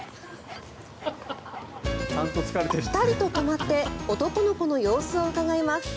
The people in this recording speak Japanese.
ピタリと止まって男の子の様子をうかがいます。